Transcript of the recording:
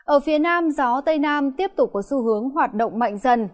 ở phía nam gió tây nam tiếp tục có xu hướng hoạt động mạnh dần